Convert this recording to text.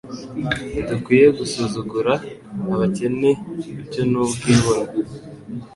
Ntidukwiye gusuzugura abakene ibyo n’ubwibone.